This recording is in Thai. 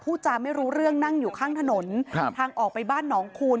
จาไม่รู้เรื่องนั่งอยู่ข้างถนนครับทางออกไปบ้านหนองคูณ